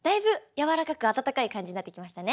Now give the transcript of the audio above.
柔らかく温かい感じになってきましたね。